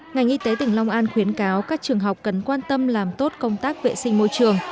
ngành y tế tỉnh long an khuyến cáo các trường học cần quan tâm làm tốt công tác vệ sinh môi trường